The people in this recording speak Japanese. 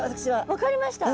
分かりました？